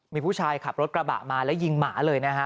มีผู้ชายขับรถกระบะมาแล้วยิงหมาเลยนะฮะ